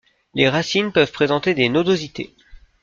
Les racines peuvent présenter des nodosités.